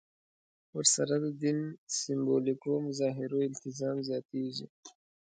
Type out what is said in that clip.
ورسره د دین سېمبولیکو مظاهرو التزام زیاتېږي.